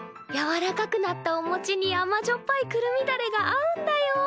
やわらかくなったおもちに甘じょっぱいくるみだれが合うんだよ。